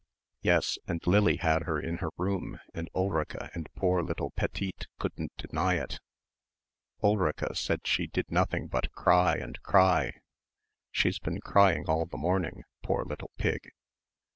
"Yes, and Lily had her in her room and Ulrica and poor little Petite couldn't deny it. Ulrica said she did nothing but cry and cry. She's been crying all the morning, poor little pig."